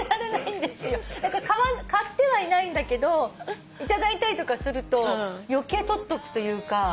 だから買ってはいないんだけど頂いたりとかすると余計取っとくというか。